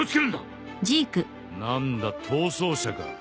何だ逃走者か。